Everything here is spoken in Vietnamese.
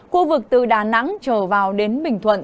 khu vực từ đà nẵng trở vào đến bình thuận